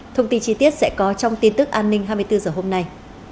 thông tin chi tiết sẽ có trong tin tức an ninh hai mươi bốn h hôm nay